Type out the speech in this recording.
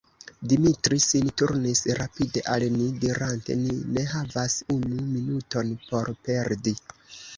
Dimitri sin turnis rapide al ni, dirante: Ni ne havas unu minuton por perdi.